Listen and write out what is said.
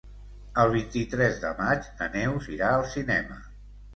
El vint-i-tres de maig na Neus irà al cinema.